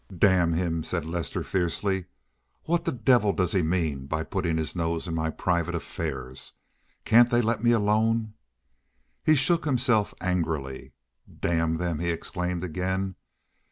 "Damn him!" said Lester fiercely. "What the devil does he mean by putting his nose in my private affairs? Can't they let me alone?" He shook himself angrily. "Damn them!" he exclaimed again.